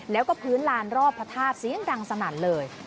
แล้วก็พื้นลานรอบพระธาตุเสียงดังสนั่นเลย